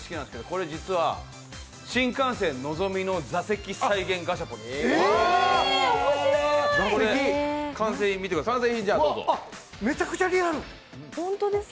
これ実は新幹線のぞみの座席再現ガシャポンです。